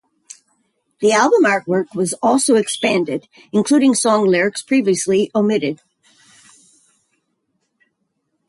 The album artwork was also expanded, including song lyrics previously omitted.